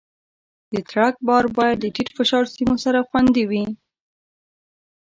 د ټرک بار باید د ټیټ فشار سیمو سره خوندي وي.